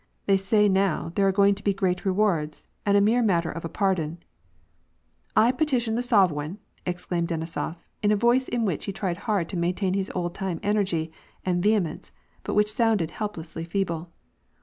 They say now there are going to be great rewards, and a mere matter of a pardon "—" I petition the soveweign !" exclaimed Denisof , in a voice in which he tried hard to maintain his old time energy and vehe mence, but which sounded helplessly feeble.